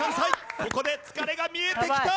ここで疲れが見えてきた。